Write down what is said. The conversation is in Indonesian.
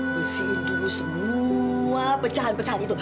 besi dulu semua pecahan pecahan itu